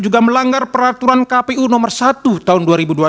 juga melanggar peraturan kpu nomor satu tahun dua ribu dua puluh